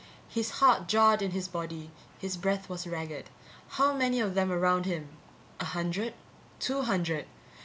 His heart jarred in his body, his breath was ragged. How many of them around him? A hundred? Two hundred?